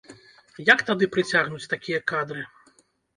Як тады прыцягнуць такія кадры?